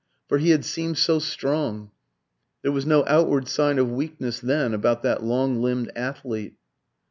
For he had seemed so strong; there was no outward sign of weakness then about that long limbed athlete.